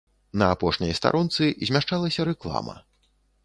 На апошняй старонцы змяшчалася рэклама.